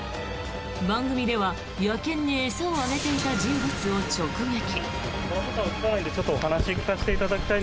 番組で野犬に餌をあげていた人物を直撃。